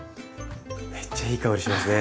めっちゃいい香りしますね。